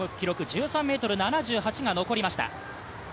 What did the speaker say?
１３ｍ７８が残りました。